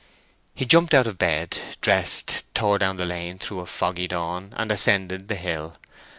He jumped out of bed, dressed, tore down the lane through a foggy dawn, and ascended the hill.